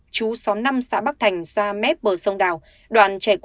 chú xóm năm xã bắc thành ra mép bờ sông đảo